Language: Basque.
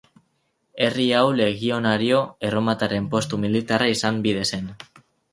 Herri hau legionario erromatarren postu militarra izan bide zen.